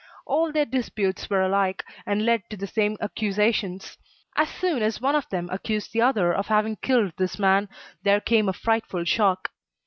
All their disputes were alike, and led to the same accusations. As soon as one of them accused the other of having killed this man, there came a frightful shock.